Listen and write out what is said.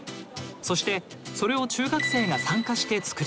そしてそれを中学生が参加して作り出すこと。